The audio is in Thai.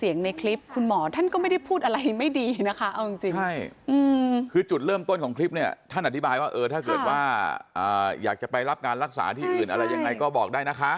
อยากจะไปรับงานรักษาที่อื่นอะไรยังไงก็บอกได้นะคะ